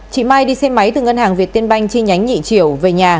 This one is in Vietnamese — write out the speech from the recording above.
chị mai đi xe máy từ ngân hàng việt tiên banh chi nhánh nhị triều về nhà